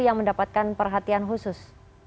yang mendapatkan perhatian khusus